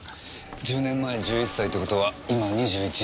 １０年前１１歳って事は今２１。